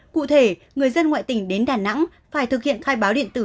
cụ thể người dân ngoại tỉnh đến đà nẵng phải thực hiện khai báo điện tử